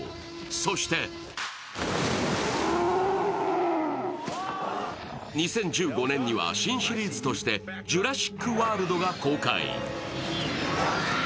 そして、２０１５年には、新シリーズとして「ジュラシック・ワールド」が公開。